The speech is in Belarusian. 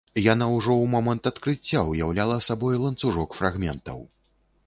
Яна ўжо ў момант адкрыцця ўяўляла сабой ланцужок фрагментаў.